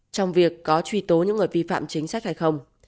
trong việc có truy tố những người vi phạm chính sách hay không